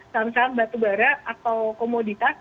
saham saham batu bara atau komoditas